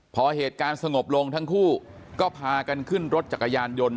พอเหตุการณ์สงบลงทั้งคู่ก็พากันขึ้นรถจักรยานยนต์